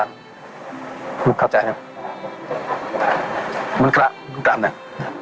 คุณเข้าใจแล้วคุณกราบนั้น